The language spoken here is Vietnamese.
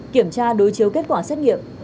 kiểm tra đối chiếu kết quả xét nghiệm